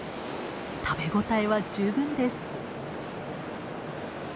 食べ応えは十分です。